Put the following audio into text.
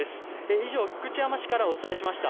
以上、福知山市からお伝えしました。